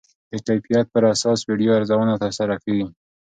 د کیفیت پر اساس ویډیو ارزونه ترسره کېږي.